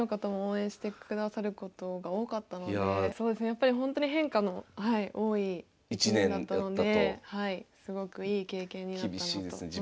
やっぱりほんとに変化の多い一年だったのですごくいい経験になったなと思います。